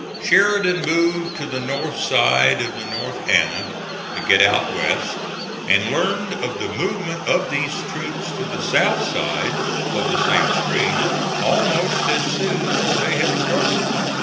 Sheridan moved to the north side of the North Anna to get out west, and learned of the movement of these troops to the south side of the same stream almost as soon as they had started.